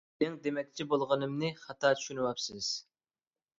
مېنىڭ دېمەكچى بولغىنىمنى خاتا چۈشىنىۋاپسىز!